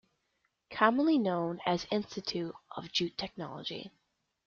Commonly known as Institute of Jute Technology.